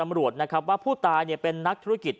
ในรถคันนึงเขาพุกอยู่ประมาณกี่โมงครับ๔๕นัท